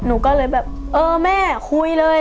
หนูก็เลยแบบเออแม่คุยเลย